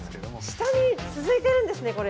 下に続いてるんですねこれ。